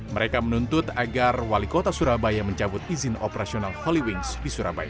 mereka menuntut agar wali kota surabaya mencabut izin operasional holy wings di surabaya